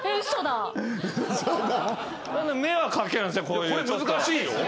これ難しいよ。